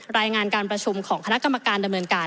รายงานการประชุมของคณะกรรมการดำเนินการ